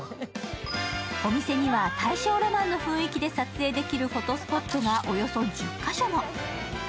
お店には大正ロマンの雰囲気で撮影できるフォトスポットがおよそ１０カ所も。